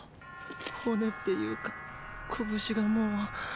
骨っていうか拳がもう。